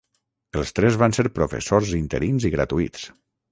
Els tres van ser professors interins i gratuïts.